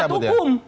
saya penasihat hukum